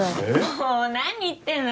もう何言ってるの？